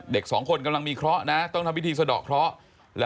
เด็กสองคนกำลังมีเคราะห์นะต้องทำพิธีสะดอกเคราะห์